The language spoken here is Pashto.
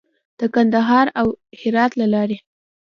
د کندهار او هرات له لارې.